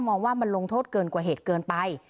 มองว่ามันลงโทษเกินกว่าเหตุเกินไป